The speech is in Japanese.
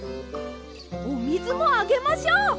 おみずもあげましょう！